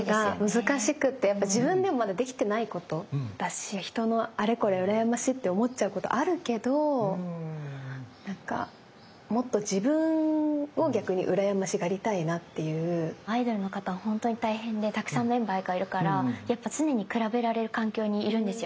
難しくてやっぱ自分でもまだできてないことだし人のあれこれをうらやましいって思っちゃうことあるけどなんかもっとアイドルの方は本当に大変でたくさんメンバーがいるからやっぱ常に比べられる環境にいるんですよ